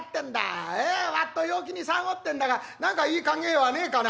わっと陽気に騒ごうってんだが何かいい考えはねえかな？」。